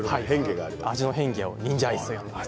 味の変化を忍者アイスといっています。